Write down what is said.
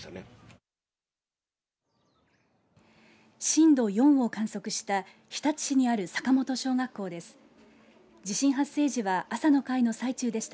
震度４を観測した日立市にある坂本小学校です。